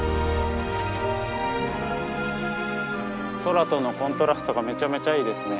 空とのコントラストがめちゃめちゃいいですね！